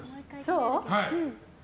そう？